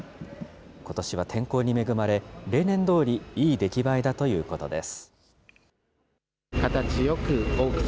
ことしは天候に恵まれ、例年どおり、いい出来栄えだということです。